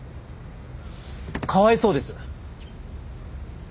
かわいそうです。